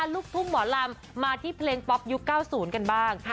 ลูกทุ่งหมอลำมาที่เพลงป๊อปยุค๙๐กันบ้าง